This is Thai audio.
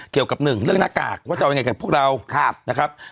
เกี่ยวกับหนึ่งเรื่องหน้ากากว่าจะเอายังไงกับพวกเรานะครับ